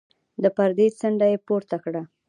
د پردې څنډه يې پورته کړه.